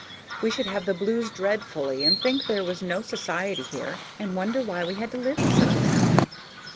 We should have the blues dreadfully, and think there was no society here, and wonder why we had to live in such a town."